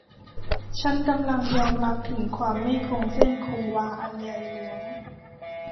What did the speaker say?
ฉันกำลังยอมรับถึงความไม่คงเส้นคงวาอันใหญ่หลวง